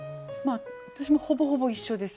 私もほぼほぼ一緒です。